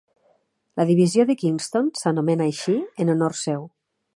La divisió de Kingston s'anomena així en honor seu.